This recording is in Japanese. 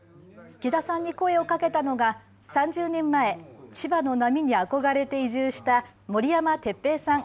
池田さんに声をかけたのが３０年前、千葉の波に憧れて移住した森山鉄兵さん。